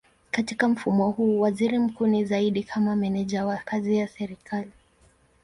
Katika mfumo huu waziri mkuu ni zaidi kama meneja wa kazi ya serikali.